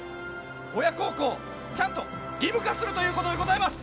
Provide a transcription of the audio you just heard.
親孝行、ちゃんと義務化するということでございます。